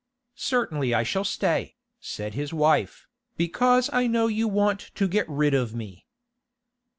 'Certainly I shall stay,' said his wife, 'because I know you want to get rid of me.